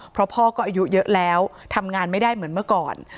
เพราะพ่อก็อายุเยอะแล้วทำงานไม่ได้เหมือนเมื่อก่อน